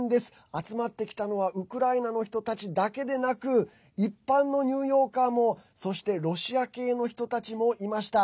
集まってきたのはウクライナの人たちだけでなく一般のニューヨーカーもそしてロシア系の人たちもいました。